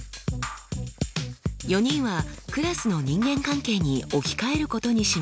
４人はクラスの人間関係に置き換えることにしました。